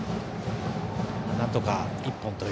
なんとか１本と。